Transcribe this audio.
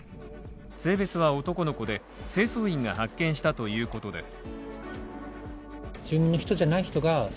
性別は男の子で、清掃員が発見したということです。